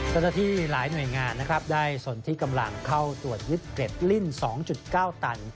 เจ้าหน้าที่หลายหน่วยงานนะครับได้สนที่กำลังเข้าตรวจยึดเกร็ดลิ่น๒๙ตัน